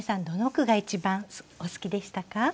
どの句が一番お好きでしたか？